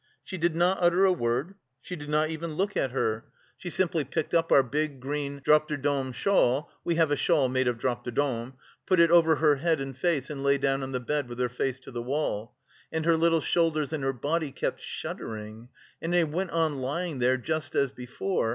She did not utter a word, she did not even look at her, she simply picked up our big green drap de dames shawl (we have a shawl, made of drap de dames), put it over her head and face and lay down on the bed with her face to the wall; only her little shoulders and her body kept shuddering.... And I went on lying there, just as before....